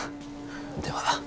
では。